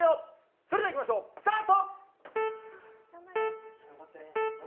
それではいきましょうスタート。